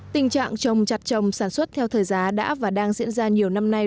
tình trạng trồng chặt trồng sản xuất theo thời giá đã và đang diễn ra nhiều năm nay